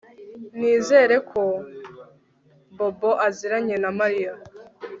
Nizera ko Bobo aziranye na Mariya